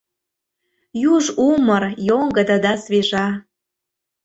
Юж умыр, йоҥгыдо да свежа.